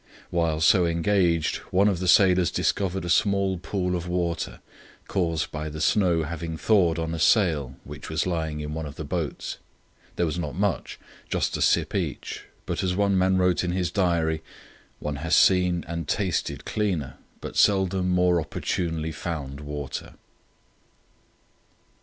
While so engaged one of the sailors discovered a small pool of water, caused by the snow having thawed on a sail which was lying in one of the boats. There was not much—just a sip each; but, as one man wrote in his diary, "One has seen and tasted cleaner, but seldom more opportunely found water."